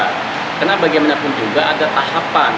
karena bagaimanapun juga ada tahapan